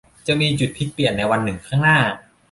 จะมีจุดพลิกเปลี่ยนในวันหนึ่งข้างหน้า